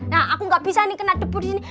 nah aku gak bisa nih kena debu disini